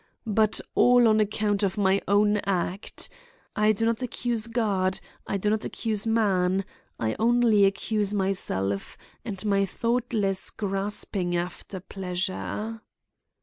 But all on account of my own act. I do not accuse God; I do not accuse man; I only accuse myself, and my thoughtless grasping after pleasure.